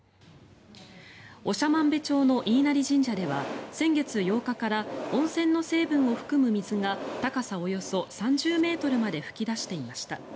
長万部町の飯生神社では先月８日から温泉の成分を含む水が高さおよそ３０ｍまで噴き出していました。